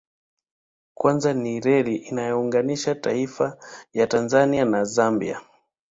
Kwanza ni reli inayoyounganisha mataifa ya Tanzania na Zambia